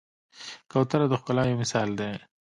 کوتره د ښکلا یو مثال دی.